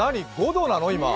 ５度なの！？